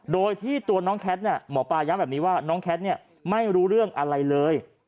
โดยที่ตัวน้องแคทหมอปลาย้ำแบบนี้ว่าน้องแคทไม่รู้เรื่องอะไรเลย